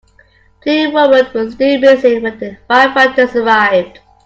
Two women were still missing when the firefighters arrived.